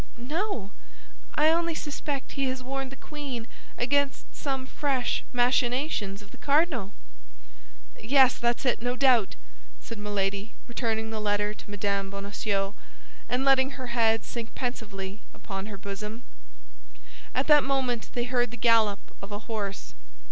"No, I only suspect he has warned the queen against some fresh machinations of the cardinal." "Yes, that's it, no doubt!" said Milady, returning the letter to Mme. Bonacieux, and letting her head sink pensively upon her bosom. At that moment they heard the gallop of a horse.